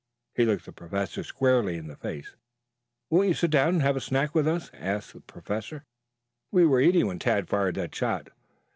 He looked the Professor squarely in the face. "Won't you sit down and have a snack with us?" asked Professor Zepplin. "We were eating when Tad fired that shot.